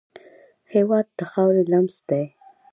هېواد د خاورې لمس دی.